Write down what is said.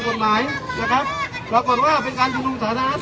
ผู้ชมนุมนะครับได้หมอเลิกจุบนุมสาธารณะนะครับ